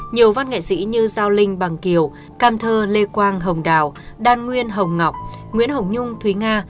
nhiều văn nghệ sĩ như giao linh bằng kiều cam thơ lê quang hồng đào đan nguyên hồng ngọc nguyễn hồng nhung thúy nga